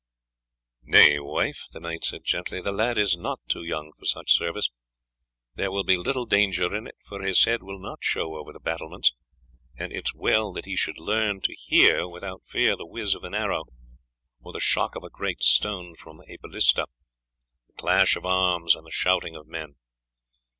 "Nay, wife," the knight said gently, "the lad is not too young for such service. There will be little danger in it, for his head will not show over the battlements, and it is well that he should learn to hear without fear the whizz of an arrow or the shock of a great stone from a ballista, the clash of arms, and the shouting of men.